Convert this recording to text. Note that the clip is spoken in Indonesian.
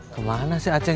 kemana si aceh